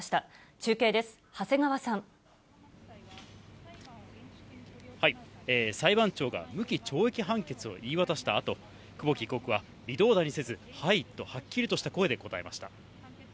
中継です、長谷川さん。裁判長が無期懲役判決を言い渡したあと、久保木被告は微動だにせず、はいとはっきりとした声で答えました。